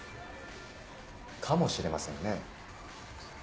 かもしれませんね。